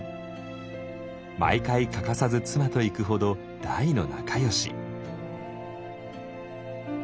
毎回欠かさず妻と行くほど大の仲よし。